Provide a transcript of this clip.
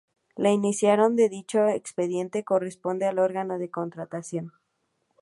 La iniciación de dicho expediente corresponde al órgano de contratación.